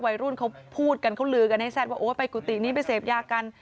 วัยรุ่นเขาพูดกันเขาลือกันให้แซ่ดว่าโอ้ไปกุฏินี้ไปเสพยากัน